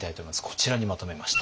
こちらにまとめました。